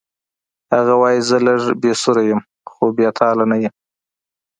هغه وایی زه لږ بې سره یم خو بې تاله نه یم